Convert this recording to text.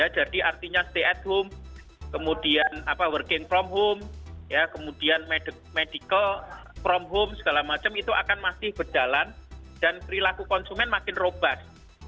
jadi artinya stay at home kemudian working from home kemudian medical from home segala macam itu akan masih berjalan dan perilaku konsumen makin robat